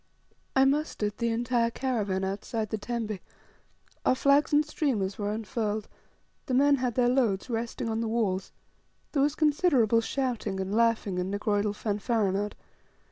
I mustered the entire caravan outside the tembe, our flags and streamers were unfurled, the men had their loads resting on the walls, there was considerable shouting, and laughing, and negroidal fanfaronnade.